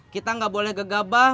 kita gak boleh gegabah